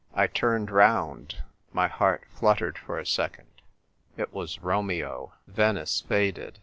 I turned round. My heart flut tered for a second. It was Romeo. Venice faded.